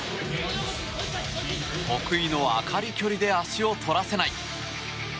得意の朱理距離で足を取らせない！